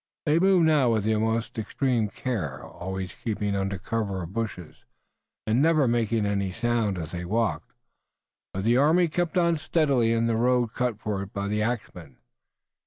They moved now with the most extreme care, always keeping under cover of bushes, and never making any sound as they walked, but the army kept on steadily in the road cut for it by the axmen.